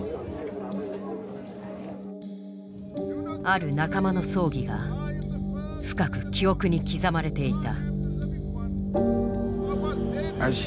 ある仲間の葬儀が深く記憶に刻まれていた。